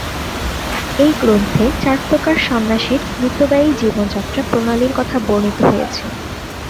এই গ্রন্থে চার প্রকার সন্ন্যাসীর মিতব্যয়ী জীবনযাত্রা প্রণালীর কথা বর্ণিত হয়েছে।